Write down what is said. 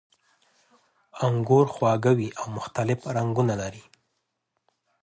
انګور خواږه وي او مختلف رنګونه لري.